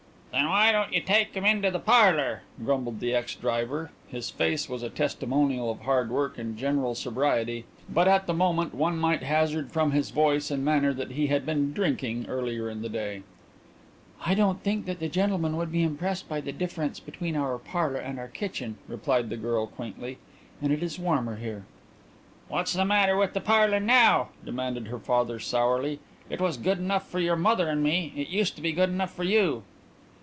"Then why don't you take him into the parlour?" grumbled the ex driver. His face was a testimonial of hard work and general sobriety but at the moment one might hazard from his voice and manner that he had been drinking earlier in the day. "I don't think that the gentleman would be impressed by the difference between our parlour and our kitchen," replied the girl quaintly, "and it is warmer here." "What's the matter with the parlour now?" demanded her father sourly. "It was good enough for your mother and me. It used to be good enough for you."